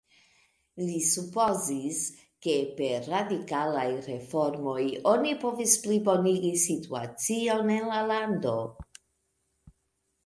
Li supozis, ke per radikalaj reformoj oni povis plibonigi situacion en la lando.